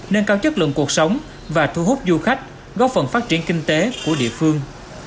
nâng cao chất lượng cuộc sống và thu hút du khách góp phần phát triển kinh tế của địa phương